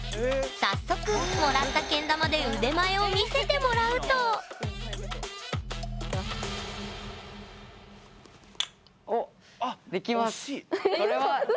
早速もらったけん玉で腕前を見せてもらうとあっ惜しい。